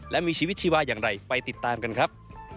และมีชีวิตชีวาอย่างไรไปติดตามกันครับ